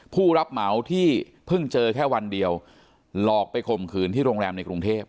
ผู้รับเหมาที่เพิ่งเจอแค่วันเดียวหลอกไปข่มขืนที่โรงแรมในกรุงเทพ